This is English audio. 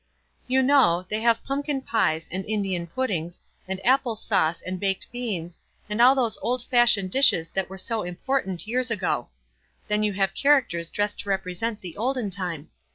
"You know, they have pumpkin pies, and Indian puddings, and apple sauce, and baked beans, and all those old fash ioned dishes that were so important years ago. Then you have characters dressed to represent the olden time.